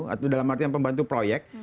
atau dalam artian pembantu proyek